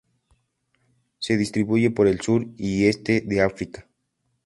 Se distribuye por el sur y este de África.